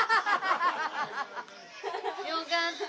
よかった！